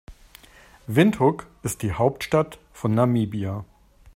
Windhoek ist die Hauptstadt von Namibia.